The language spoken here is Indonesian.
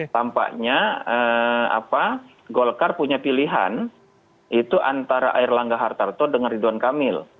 tampaknya golkar punya pilihan itu antara air langga hartarto dengan ridwan kamil